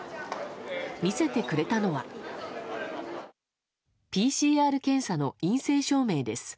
見せてくれたのはＰＣＲ検査の陰性証明です。